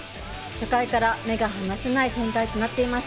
初回から目が離せない展開となっています。